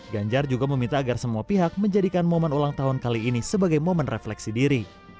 ganjar juga meminta agar semua pihak menjadikan momen ulang tahun kali ini sebagai momen refleksi diri